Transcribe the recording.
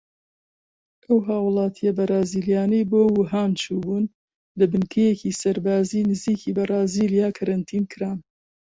ئەو هاوڵاتیە بەرازیلیانەی بۆ ووهان چوو بوون لە بنکەیەکی سەربازی نزیکی بەرازیلیا کەرەنتین کران.